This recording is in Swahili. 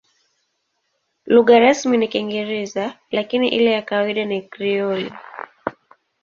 Lugha rasmi ni Kiingereza, lakini ile ya kawaida ni Krioli.